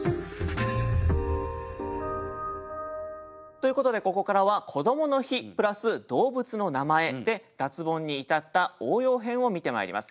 ということでここからは「こどもの日」プラス「動物の名前」で脱ボンに至った応用編を見てまいります。